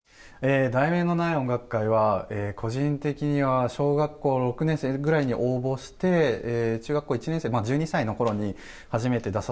『題名のない音楽会』は個人的には小学校６年生ぐらいに応募して中学校１年生１２歳の頃に初めて出させて頂きました。